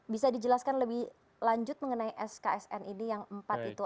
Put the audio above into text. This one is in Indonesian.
bisa dijelaskan lebih lanjut mengenai sksn ini yang empat itu